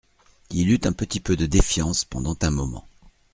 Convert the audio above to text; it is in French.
«Il eut un petit peu de défiance pendant un moment.